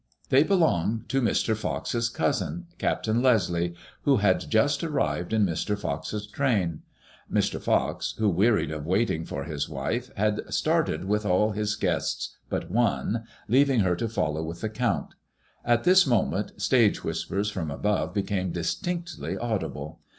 They belonged to Mr. Pox's cousin, Captain Leslie, who had just arrived in Mr. Pox's train ; Mr. Fox, who wearied of waiting for his wife, had started with all his guests but one, leaving her to follow with the Count. At this moment stage whispers from above became distinctly audible.